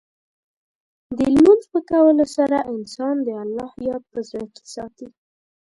د لمونځ په کولو سره، انسان د الله یاد په زړه کې ساتي.